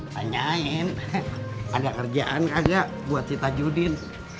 tanyain ada kerjaan kagak buat si tajudin